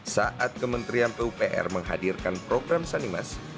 saat kementerian pupr menghadirkan program sanimas